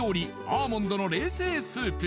アーモンドの冷製スープ